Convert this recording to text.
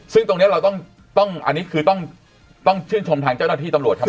ซึ่งตรงนี้เราต้องอันนี้คือต้องชื่นชมทางเจ้าหน้าที่ตำรวจครับ